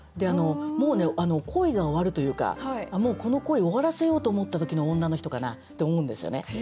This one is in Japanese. もうね恋が終わるというかもうこの恋終わらせようと思った時の女の人かなって思うんですよね。